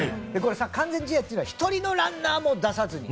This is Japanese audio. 完全試合というのは１人のランナーも出さずに、